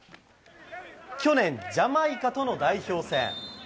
去年、ジャマイカとの代表戦。